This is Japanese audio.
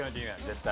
絶対。